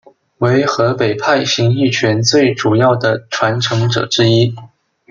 为河北派形意拳最主要的传承者之一。